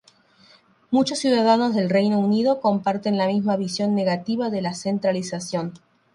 Muchos ciudadanos del Reino Unido comparten la misma visión negativa de la centralización.